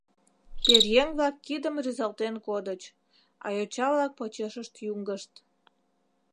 Пӧръеҥ-влак кидым рӱзалтен кодыч, а йоча-влак почешышт йуҥгышт.